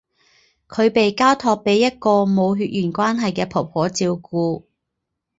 他被交托给一个没血缘关系的婆婆照顾。